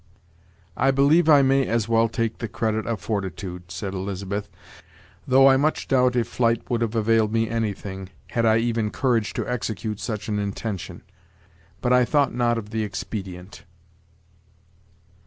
"I believe I may as well take the credit of fortitude," said Elizabeth, "though I much doubt if flight would have availed me anything, had I even courage to execute such an intention. But I thought not of the expedient."